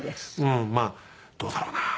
まあどうだろうな。